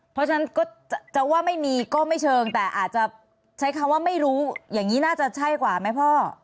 เพราะฉะนั้นก็จะว่าไม่มีก็ไม่เชิงแต่อาจจะใช้คำว่าไม่รู้อย่างนี้น่าจะใช่กว่าไหมพ่อ